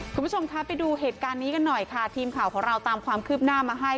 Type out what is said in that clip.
คุณผู้ชมคะไปดูเหตุการณ์นี้กันหน่อยค่ะทีมข่าวของเราตามความคืบหน้ามาให้